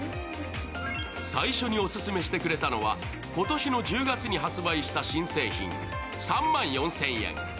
最初にオススメしてくれたのは今年の１０月に発売した新製品３万４０００円。